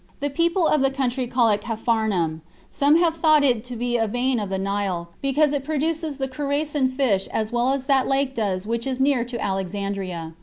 The people of the country call it Capharnaum. Some have thought it to be a vein of the Nile, because it produces the Coracin fish as well as that lake does which is near to Alexandria.